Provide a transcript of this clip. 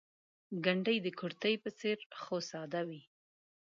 ګنډۍ د کورتۍ په څېر خو ساده وي.